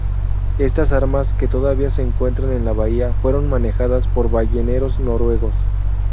Estas armas, que todavía se encuentran en la bahía, fueron manejadas por balleneros noruegos.